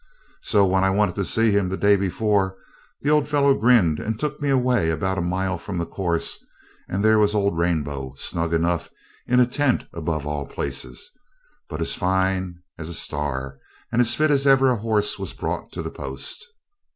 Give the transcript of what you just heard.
So when I wanted to see him the day before, the old fellow grinned, and took me away about a mile from the course; and there was old Rainbow, snug enough in a tent, above all places! but as fine as a star, and as fit as ever a horse was brought to the post.